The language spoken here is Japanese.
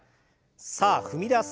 さあ踏み出す